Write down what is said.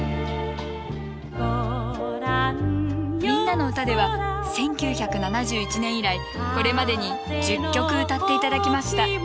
「みんなのうた」では１９７１年以来これまでに１０曲歌って頂きました。